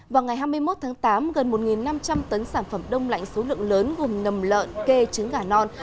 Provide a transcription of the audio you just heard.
vào ngày hai mươi một tháng tám gần một năm trăm linh tấn sản phẩm đông lạnh số lượng lớn gồm nầm lợn kê trứng gà non